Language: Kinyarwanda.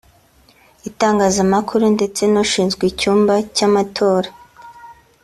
itangazamakuru ndetse n’ushinzwe icyumba cy’amatora